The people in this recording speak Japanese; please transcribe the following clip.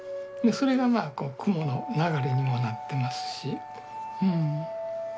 それがまあ雲の流れにもなってますし。